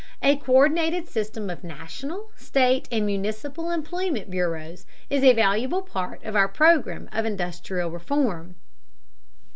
A co÷rdinated system of national, state, and municipal employment bureaus is a valuable part of our program of industrial reform.